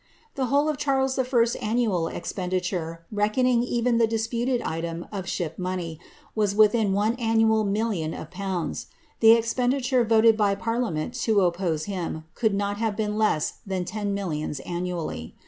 whole of Charles Va annual expenditure, reckoning even the cl item of ship money, was within one annual million of pounds, cpenditare voted by parliament to oppose him, could not have m than ten millions annually.